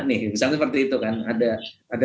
nih misalnya seperti itu kan ada